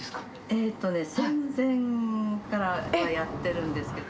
えーとね、戦前からやってるんですけど。